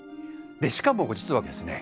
しかも実はですね